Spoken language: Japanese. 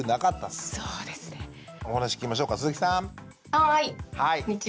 はいこんにちは。